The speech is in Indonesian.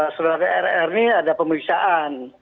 surat rrr ini ada pemeriksaan